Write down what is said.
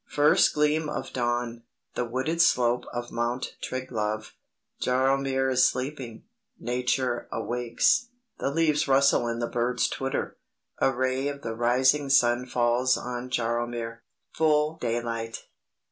First gleam of dawn. The wooded slope of Mount Triglav. Jaromir is sleeping. Nature awakes; the leaves rustle and the birds twitter. A ray of the rising sun falls on Jaromir. Full daylight."